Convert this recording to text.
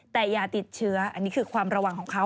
แต่อย่าติดเชื้ออันนี้คือความระวังของเขา